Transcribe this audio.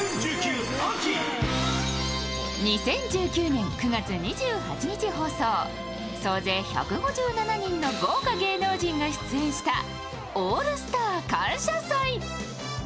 ２０１９年９月２８日放送、総勢１５７人の豪華芸能人が出演した「オールスター感謝祭」。